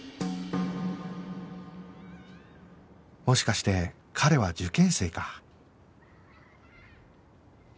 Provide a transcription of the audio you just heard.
もしかして彼は受験生か